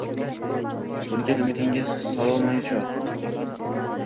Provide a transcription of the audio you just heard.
To‘ngan umidingga solaolmay cho‘g‘